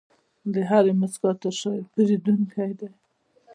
د هرې موسکا تر شا یو پیرودونکی دی.